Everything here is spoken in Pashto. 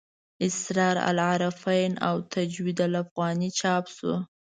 اسرار العارفین او تجوید الافغاني چاپ شو.